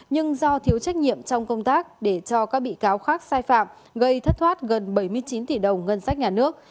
nhưng do thiếu trách nhiệm trong công tác để cho các bị cáo khác sai phạm gây thất thoát gần bảy mươi chín tỷ đồng ngân sách nhà nước